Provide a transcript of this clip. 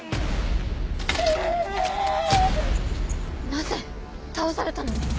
えぇ⁉なぜ⁉倒されたのに。